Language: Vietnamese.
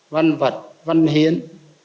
văn vật văn hiến